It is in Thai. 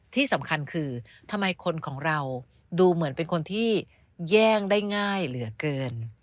ที่สำคัญคือทำไมคนของเราดูเหมือนเป็นคนที่แย่งได้ง่ายเหลือเกิน